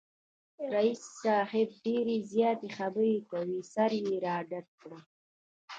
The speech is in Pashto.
رییس صاحب ډېرې زیاتې خبری کوي، سر یې را ډډ کړ